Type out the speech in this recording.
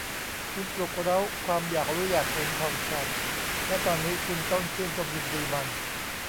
คุณปลุกเร้าความอยากรู้อยากเห็นของฉัน และตอนนี้คุณต้องชื่นชมยินดีมัน